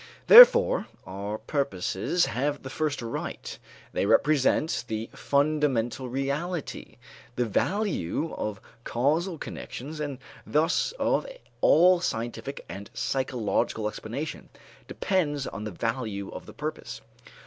Therefore, our purposes have the first right; they represent the fundamental reality; the value of causal connections and thus of all scientific and psychological explanation, depends on the value of the purpose.